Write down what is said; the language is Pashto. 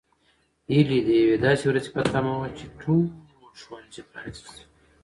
هیلې د یوې داسې ورځې په تمه وه چې ټول ښوونځي پرانیستل شي.